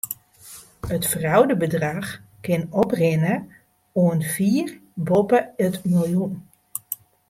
It fraudebedrach kin oprinne oant fier boppe it miljoen.